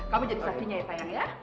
kamu jadi sakinya ya sayang ya